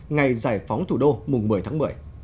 ngày giải phóng thủ đô mùng một mươi tháng một mươi